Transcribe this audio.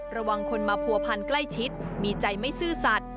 ระวังคนมาผัวพันใกล้ชิดมีใจไม่ซื่อสัตว์